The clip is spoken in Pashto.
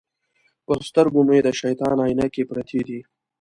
پر سترګو مو د شیطان عینکې پرتې دي.